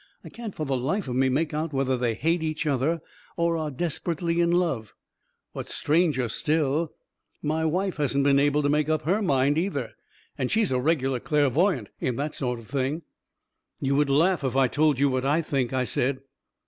" I can't for the life of me make out whether they hate each other or are des perately in love. What's stranger still, my wife hasn't been able to make up her mind, either. And she's a regular clairvoyant in that sort of thing I "" You would laugh if I told you what I think," I said.